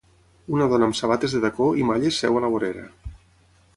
Una dona amb sabates de tacó i malles seu a la vorera.